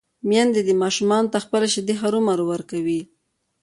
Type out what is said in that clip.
ميندې دې ماشومانو ته خپلې شېدې هرومرو ورکوي